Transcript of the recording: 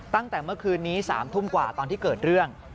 ตั้งแต่เมื่อคืนนี้๓ทุ่มกว่าตอนที่เกิดเรื่อง